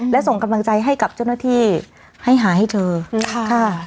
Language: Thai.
และส่งกำลังใจให้กับเจ้าหน้าที่ให้หาให้เธอค่ะ